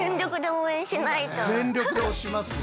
全力で推しますよ。